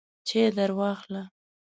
چای درواخله !